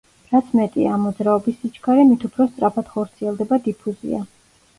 რაც მეტია ამ მოძრაობის სიჩქარე, მით უფრო სწრაფად ხორციელდება დიფუზია.